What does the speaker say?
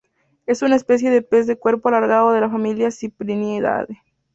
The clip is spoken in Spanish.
Es una especie de pez de cuerpo alargado de la familia Cyprinidae.